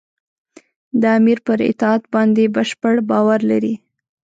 د امیر پر اطاعت باندې بشپړ باور لري.